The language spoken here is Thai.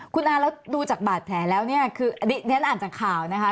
คุณอาแล้วดูจากบาดแผลแล้วเนี่ยคืออันนี้ฉันอ่านจากข่าวนะคะ